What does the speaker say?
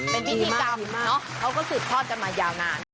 เป็นพิธีกรรมเนอะเขาก็สืบทอดกันมายาวนาน